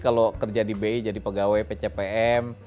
kalau kerja di bi jadi pegawai pcpm